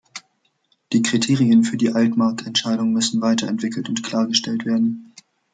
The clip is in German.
Die Kriterien für die Altmark-Entscheidung müssen weiter entwickelt und klargestellt werden.